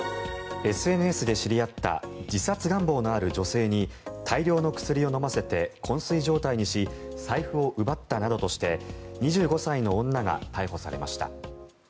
ＳＮＳで知り合った自殺願望のある女性に大量の薬を飲ませてこん睡状態にし財布を奪ったなどとして２５歳の女が逮捕されました。